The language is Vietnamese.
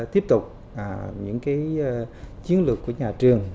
tiếp tục những cái chiến lược của nhà trường